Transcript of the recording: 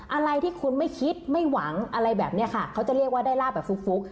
อะไรที่คุณไม่คิดไม่หวังอะไรแบบนี้ค่ะเขาจะเรียกว่าได้ลาบแบบฟุก